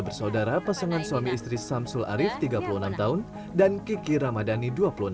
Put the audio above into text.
bersaudara pasangan suami istri samsul arief tiga puluh enam tahun dan kiki ramadhani dua puluh enam